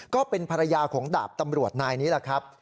ก็เป็นภรรยาของดาบตำรวจนายนี้แหละครับ